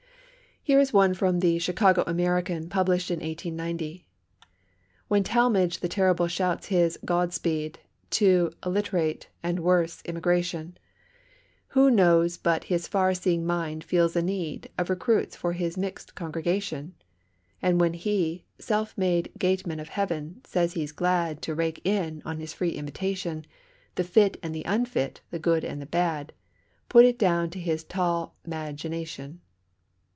Here is one from the "Chicago American," published in 1890: When Talmage the terrible shouts his "God speed" To illit'rate (and worse) immigration, Who knows but his far seeing mind feels a need Of recruits for his mix'd congregation? And when he, self made gateman of Heaven, says he's glad To rake in, on his free invitation, The fit and the unfit, the good and the bad, Put it down to his tall 'mag ination.